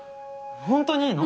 ホントにいいの？